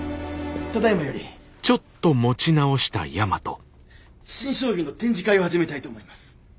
ただいまより新商品の展示会を始めたいと思います。